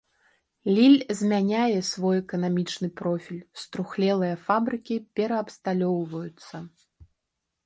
Ліль змяняе свой эканамічны профіль, струхлелыя фабрыкі пераабсталёўваюцца.